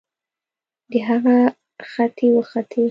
د هغه ختې وختې